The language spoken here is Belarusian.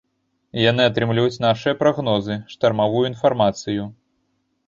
Яны атрымліваюць нашыя прагнозы, штармавую інфармацыю.